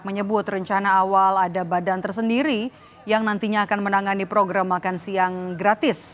menyebut rencana awal ada badan tersendiri yang nantinya akan menangani program makan siang gratis